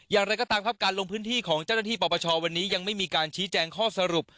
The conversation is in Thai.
อย่างไรก็ตามครับการลงพื้นที่ของเจ้าหน้าที่ปปชวันนี้ยังไม่มีการชี้แจงข้อสรุป